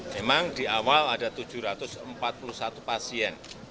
memang di awal ada tujuh ratus empat puluh satu pasien